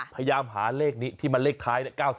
พยายามหาเลขนี้ที่มันเลขท้าย๙๓